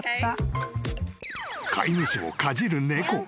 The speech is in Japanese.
［飼い主をかじる猫］